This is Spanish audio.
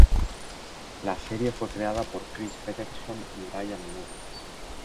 La serie fue creada por Chris Peterson y Bryan Moore.